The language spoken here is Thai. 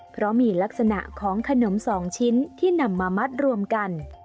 เพราะมีลักษณะของขนม๒ชิ้นที่นำมามัดรวมกัน